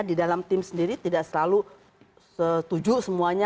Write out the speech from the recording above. di dalam tim sendiri tidak selalu setuju semuanya